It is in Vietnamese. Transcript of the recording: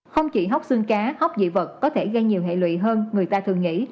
không chỉ hốc xương cá hóc dị vật có thể gây nhiều hệ lụy hơn người ta thường nghĩ